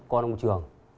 con ông trường